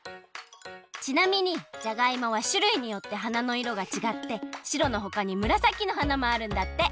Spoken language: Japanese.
ちなみにじゃがいもはしゅるいによって花のいろがちがってしろのほかにむらさきの花もあるんだって。